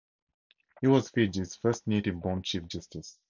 He was Fiji's first native-born Chief Justice.